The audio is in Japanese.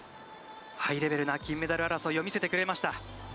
ハイレベルな金メダル争いを見せてくれました。